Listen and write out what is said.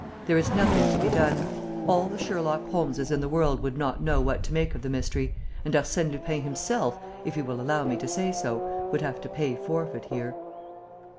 There is nothing to be done. All the Sherlock Holmeses in the world would not know what to make of the mystery, and Arsène Lupin himself, if he will allow me to say so, would have to pay forfeit here."